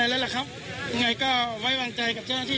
อยากจะบอกหลานอะไรบ้างครับตอนนี้